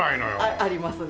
ありますね。